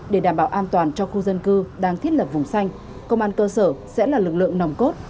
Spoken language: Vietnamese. để đảm bảo an toàn cho khu dân cư đang thiết lập vùng xanh công an cơ sở sẽ là lực lượng nòng cốt